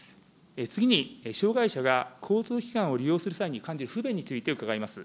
次に、障害者が交通機関を利用する際に感じる不便について伺います。